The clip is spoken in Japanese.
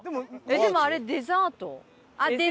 でもあれデザート？